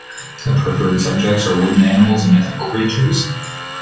The preferred subjects are wooden animals and mythical creature.